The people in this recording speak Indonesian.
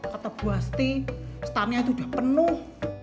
kata bu asti starnya itu udah penuh